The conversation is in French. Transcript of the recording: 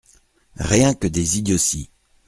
Rien que des idioties !